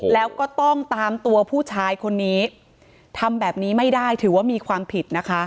แล้วก็ต้องตามตัวผู้ชายคนนี้ทำแบบนี้ไม่ได้ถือว่ามีความผิดนะคะ